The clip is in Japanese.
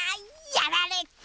やられた。